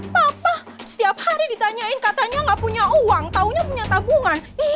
papa setiap hari ditanyain katanya nggak punya uang taunya punya tabungan